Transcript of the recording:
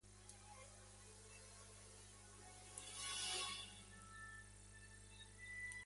Y la teoría del crecimiento transformacional sólo fue esbozada.